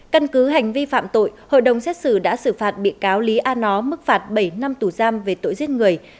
căn cứ hành vi phạm tội hội đồng xét xử đã xử phạt bị cáo lý a nó mức phạt bảy năm tù giam về tội giết người